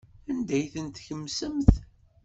Anda ay tent-tkemsemt?